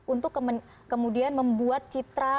untuk kemudian membuat citra